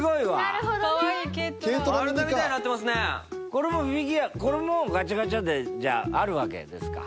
これもガチャガチャでじゃああるわけですか？